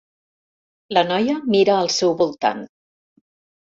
La noia mira al seu voltant.